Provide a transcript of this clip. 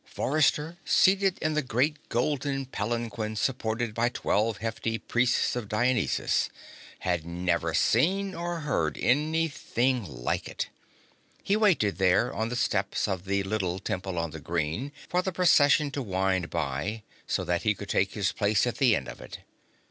Forrester, seated in the great golden palanquin supported by twelve hefty Priests of Dionysus, had never seen or heard anything like it. He waited there on the steps of the little Temple on the Green for the Procession to wind by, so that he could take his place at the end of it.